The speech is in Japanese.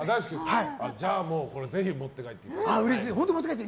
じゃあ、ぜひ持って帰っていただいて。